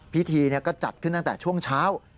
พิธีก็จัดขึ้นตั้งแต่ช่วงเช้า